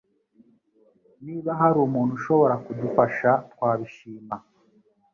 Niba hari umuntu ushobora kudufasha twabishima